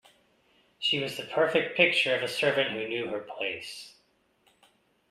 She was the perfect picture of a servant who knew her place.